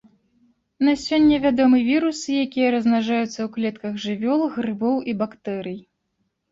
На сёння вядомы вірусы, якія размнажаюцца ў клетках жывёл, грыбоў і бактэрый.